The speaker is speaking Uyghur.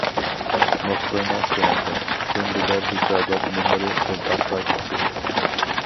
مۇخبىرنىڭ سىنىقى: ئۈندىدار ھېسابات نومۇرى« قىلتاققا چۈشتى»!